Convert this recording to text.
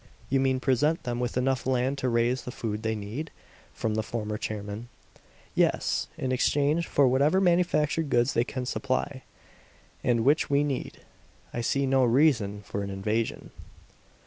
"You mean present them with enough land to raise the food they need?" from the former chairman. "Yes, in exchange for whatever manufactured goods they can supply, and which we need. I see no reason for an invasion."